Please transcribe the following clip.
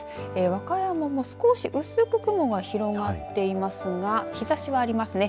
和歌山も少し薄く雲が広がっていますが日ざしはありますね。